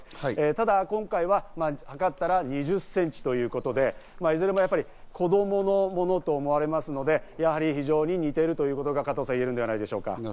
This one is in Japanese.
ただ今回は測ったら２０センチいうことで、いずれも子供のものと思われますので、非常に似ているということが言えるんではないでしょうか。